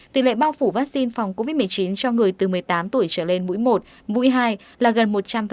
tỷ lệ bao phủ vaccine phòng covid một mươi chín cho người từ một mươi tám tuổi trở lên mũi một mũi hai là gần một trăm linh